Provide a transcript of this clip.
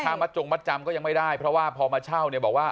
มัดจงมัดจำก็ยังไม่ได้เพราะว่าพอมาเช่าเนี่ยบอกว่า